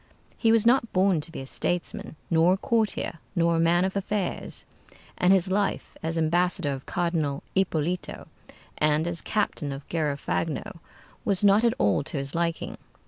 He was not born to be a statesman, nor a courtier, nor a man of affairs; and his life as ambassador of Cardinal Ippolito, and as captain of Garafagno, was not at all to his liking.